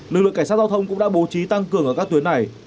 lực lượng cảnh sát giao thông cũng đã bố trí tăng cường ở các tuyến này